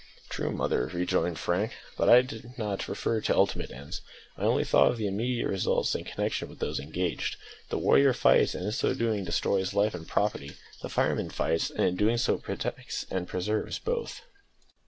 "True, mother," rejoined Frank; "but I did not refer to ultimate ends, I only thought of the immediate results in connection with those engaged. The warrior fights, and, in so doing, destroys life and property. The fireman fights, and in doing so protects and preserves both."